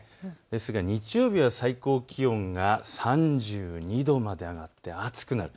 日曜日は最高気温が３２度まで上がって暑くなる。